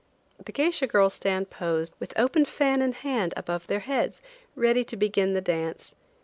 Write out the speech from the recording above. The geisha girls stand posed with open fan in hand above their heads, ready to begin the dance.